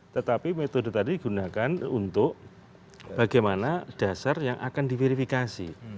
tetapi metode tadi digunakan untuk bagaimana dasar yang akan diverifikasi